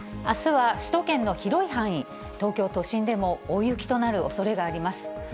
あすは首都圏の広い範囲、東京都心でも大雪となるおそれがあります。